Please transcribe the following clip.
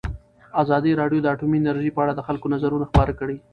ازادي راډیو د اټومي انرژي په اړه د خلکو نظرونه خپاره کړي.